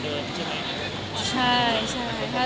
คุณสัมผัสดีครับ